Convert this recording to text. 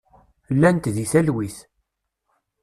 Llant deg talwit.